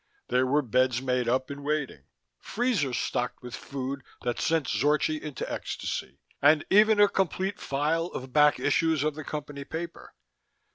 There were beds made up and waiting, freezers stocked with food that sent Zorchi into ecstasy, and even a complete file of back issues of the Company paper.